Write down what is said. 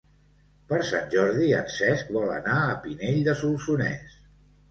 Per Sant Jordi en Cesc vol anar a Pinell de Solsonès.